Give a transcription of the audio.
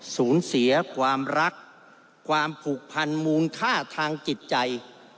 สูญเสียความรักความผูกพันมูลค่าทางจิตใจ